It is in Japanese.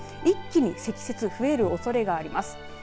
一気に積雪増えるおそれがあります。